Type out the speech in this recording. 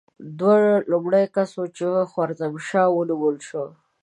ده لومړی کس و چې خوارزم شاه ونومول شو.